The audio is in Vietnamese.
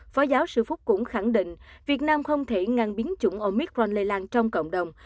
phó giáo sư phúc cũng khẳng định việt nam không thể ngăn biến chủng omicron lây lan trong cộng đồng